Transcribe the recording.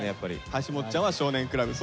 はしもっちゃんは「少年倶楽部」。